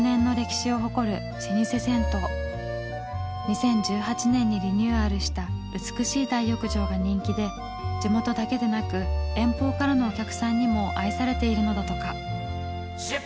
２０１８年にリニューアルした美しい大浴場が人気で地元だけでなく遠方からのお客さんにも愛されているのだとか。